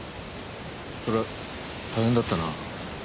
そりゃ大変だったな。